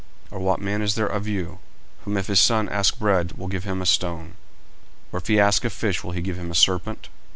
40:007:009 Or what man is there of you, whom if his son ask bread, will he give him a stone? 40:007:010 Or if he ask a fish, will he give him a serpent?